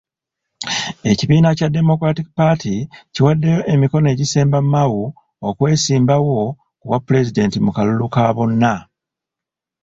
Ekibiina kya Democratic Party kiwaddeyo emikono egisemba Mao, okwesimbawo ku bwapulezidenti mu kalulu ka bonna